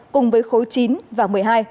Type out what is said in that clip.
cùng với khối chín và một mươi hai